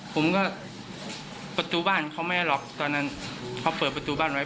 ผมก็ประตูบ้านเขาไม่ให้ล็อกตอนนั้นเขาเปิดประตูบ้านไว้